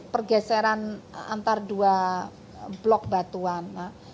pergeseran antara dua blok batuan